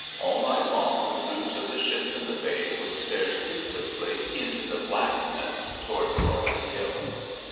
All night long the crews of the ships in the bay would stare sleeplessly into the blackness toward the roaring hill.